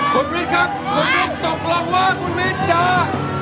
คุณวิทย์ครับคุณวิทย์ตกลงมาคุณวิทย์จ้า